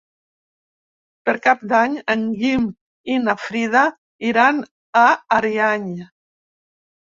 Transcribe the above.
Per Cap d'Any en Guim i na Frida iran a Ariany.